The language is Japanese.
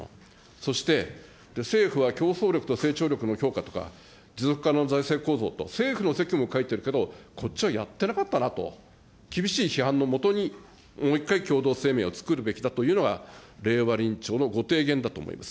そして政府は競争力と成長力の強化とか、持続可能な財政構造と、政府の責務を書いてるけど、こっちはやってなかったなと、厳しい批判の下に、もう一回共同声明を作るべきだというのが令和臨調のご提言だと思います。